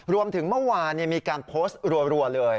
เมื่อวานมีการโพสต์รัวเลย